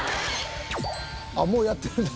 あっもうやってるんだ。